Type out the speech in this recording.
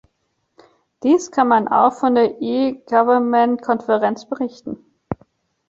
Dies kann man auch von der e-Government-Konferenz berichten.